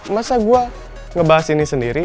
masa gue ngebahas ini sendiri